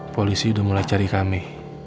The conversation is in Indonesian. polisi sudah mulai cari kami